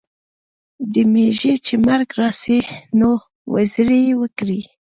د میږي چي مرګ راسي نو، وزري وکړي.